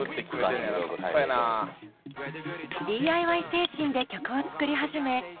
ＤＩＹ精神で曲を作り始め